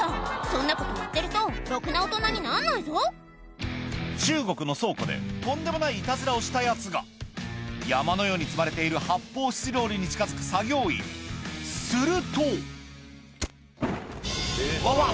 そんなことやってるとろくな大人になんないぞ中国の倉庫でとんでもないいたずらをしたヤツが山のように積まれている発泡スチロールに近づく作業員するとうわうわ！